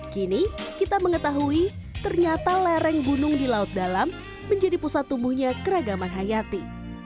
kini kita mengetahui ternyata lereng gunung di laut dalam menjadi pusat tumbuhnya keragaman hayati